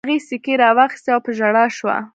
هغې سيکې را واخيستې او په ژړا شوه.